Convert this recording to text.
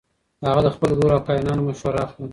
هغه له خپل ورور او کاهنانو مشوره اخلي.